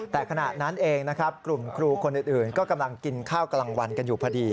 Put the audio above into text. แต่ขณะนั้นเองนะครับกลุ่มครูคนอื่นก็กำลังกินข้าวกลางวันกันอยู่พอดี